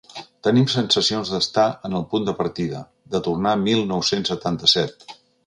Tenim sensacions d’estar en el punt de partida, de tornar a mil nou-cents setanta-set.